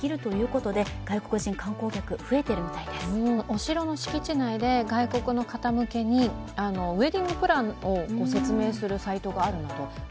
お城の敷地内で外国の方向けにウェディングプランを説明するサイトがあるんですよ。